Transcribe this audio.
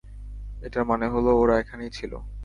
এটার মানে হলো ওরা এখানেই ছিল।